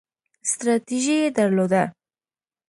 ستراتیژي یې درلوده.